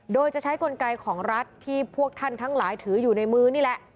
โดยจะใช้กลไกของรัฐที่พวกท่านทั้งหลายถืออยู่ในมือนี่แหละ